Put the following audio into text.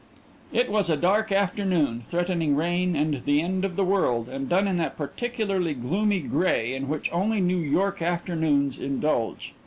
It was a dark afternoon, threatening rain and the end of the world, and done in that particularly gloomy gray in which only New York afternoons indulge.